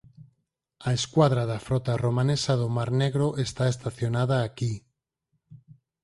A escuadra da frota romanesa do mar Negro está estacionada aquí.